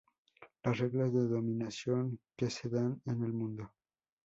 Las reglas de dominación que se dan en el mundo: